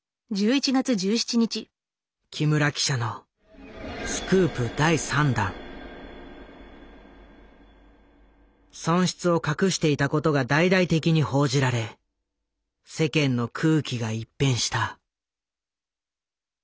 木村記者の損失を隠していたことが大々的に報じられ世間の空気が一変した。